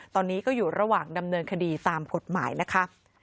ตอนนี้ก็อยู่ระหว่างดำเนินคดีตามกฎหมายนะคะ